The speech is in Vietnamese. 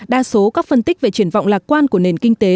đa số các phân tích về triển vọng lạc quan của nền kinh tế